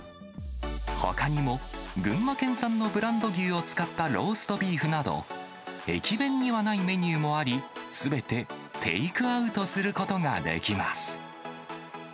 ほかにも、群馬県産のブランド牛を使ったローストビーフなど、駅弁にはないメニューもあり、すべてテイクアウトすることができます。